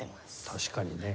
確かにね。